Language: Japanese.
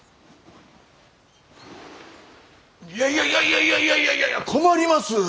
いやいやいやいやいやいやいやいや困ります！